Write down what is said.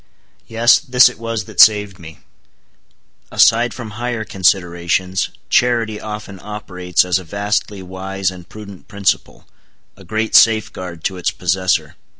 Yes, this it was that saved me. Aside from higher considerations, charity often operates as a vastly wise and prudent principle—a great safeguard to its possessor.